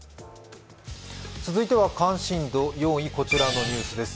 続いては関心度４位、こちらのニュースです。